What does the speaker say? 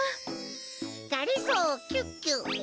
がりぞーキュッキュッ。